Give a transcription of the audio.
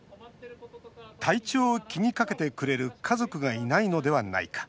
体調を気にかけてくれる家族がいないのではないか。